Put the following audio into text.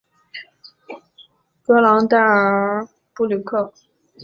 格朗代尔布吕克。